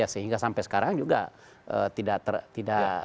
sehingga sampai sekarang juga tidak